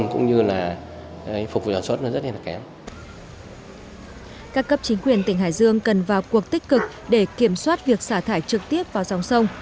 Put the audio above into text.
các cấp chính quyền tỉnh hải dương cần vào cuộc tích cực để kiểm soát việc xả thải trực tiếp vào dòng sông